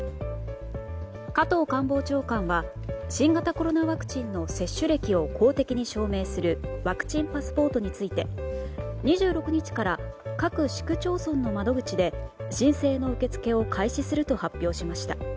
加藤官房長官は新型コロナワクチンの接種歴を公的に証明するワクチンパスポートについて２６日から各市区町村の窓口で申請の受け付けを開始すると発表しました。